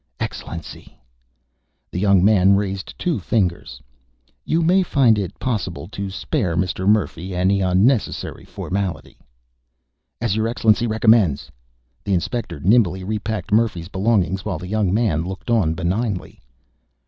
"Excellency." The young man raised two fingers. "You may find it possible to spare Mr. Murphy any unnecessary formality." "As your Excellency recommends...." The inspector nimbly repacked Murphy's belongings, while the young man looked on benignly.